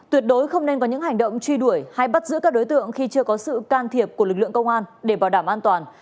tuyệt đối không nên có những hành động truy đuổi hay bắt giữ các đối tượng khi chưa có sự can thiệp của lực lượng công an để bảo đảm an toàn